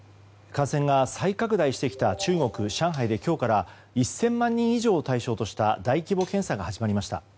感染が再拡大してきた中国・上海で今日から１０００万人以上を対象とした大規模検査が始まりました。